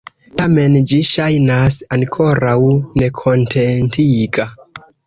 Tamen, ĝi ŝajnas ankoraŭ nekontentiga.